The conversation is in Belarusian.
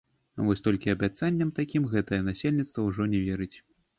Вось толькі абяцанням такім гэтае насельніцтва ўжо не верыць.